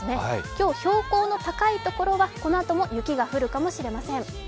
今日標高の高い所はこのあとも雪が降るかもしれません。